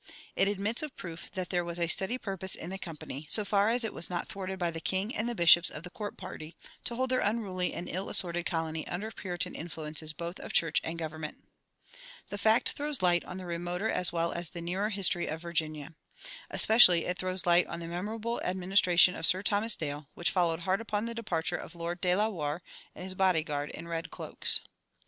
It admits of proof that there was a steady purpose in the Company, so far as it was not thwarted by the king and the bishops of the court party, to hold their unruly and ill assorted colony under Puritan influences both of church and government.[45:1] The fact throws light on the remoter as well as the nearer history of Virginia. Especially it throws light on the memorable administration of Sir Thomas Dale, which followed hard upon the departure of Lord de la Warr and his body guard in red cloaks.